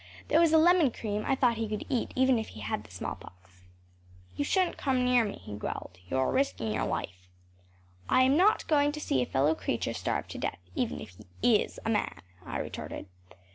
There was a lemon cream I thought he could eat even if he had the smallpox. “You shouldn’t come near me,‚ÄĚ he growled. “You are risking your life.‚ÄĚ “I am not going to see a fellow creature starve to death, even if he is a man,‚ÄĚ I retorted.